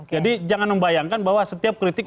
jadi jangan membayangkan bahwa setiap kritik